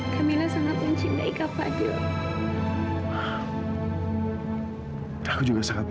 karena aku harus pulang ke rumah ini